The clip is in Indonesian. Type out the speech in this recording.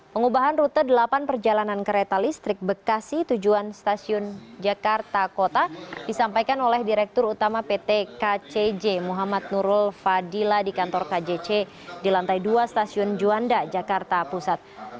pengubahan rute delapan perjalanan kereta listrik bekasi tujuan stasiun jakarta kota disampaikan oleh direktur utama pt kcj muhammad nurul fadila di kantor kjc di lantai dua stasiun juanda jakarta pusat